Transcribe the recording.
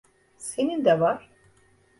Senin de var.